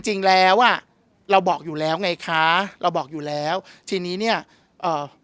จริงแล้วอ่ะเราบอกอยู่แล้วไงคะเราบอกอยู่แล้วทีนี้เนี้ยเอ่อ